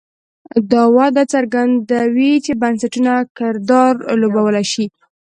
دا وده څرګندوي چې بنسټونه کردار لوبولی شي.